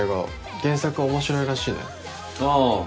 原作面白いらしいねああ